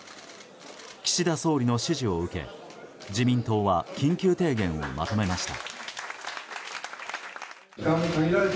岸田総理の指示を受け自民党は緊急提言をまとめました。